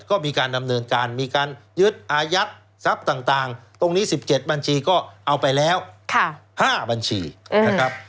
ก็มีการดำเนินการมีการยึดอายัดทรัพย์ต่างตรงนี้๑๗บัญชีก็เอาไปแล้ว๕บัญชีนะครับ